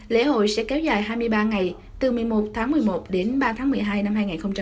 lễ hội sẽ kéo dài hai mươi ba ngày từ một mươi một tháng một mươi một đến ba tháng một mươi hai năm hai nghìn hai mươi